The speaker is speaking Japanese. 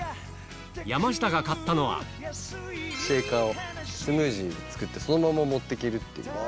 山下が買ったのはシェイカーをスムージーを作ってそのまま持っていける。